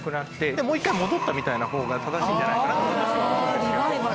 でもう一回戻ったみたいな方が正しいんじゃないかなって。